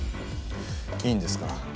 いいんですか？